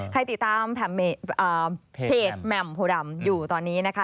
ใครติดตามเพจแหม่มโพดำอยู่ตอนนี้นะคะ